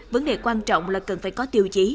vấn đề quan trọng là cần phải có tiêu chí